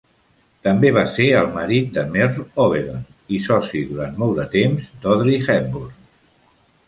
També va ser el marit de Merle Oberon i soci durant molt de temps d'Audrey Hepburn.